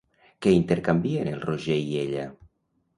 Què intercanvien el Roger i ella?